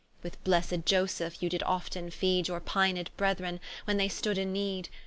With blessed Ioseph you did often feed Your pined brethren, when they stood in need.